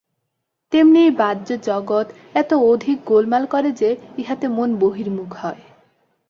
তেমনি এই বাহ্য জগৎ এত অধিক গোলমাল করে যে, ইহাতে মন বহির্মুখ হয়।